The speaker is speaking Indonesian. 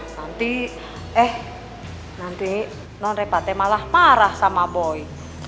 nanti eh nanti non repatte malah marah sama boy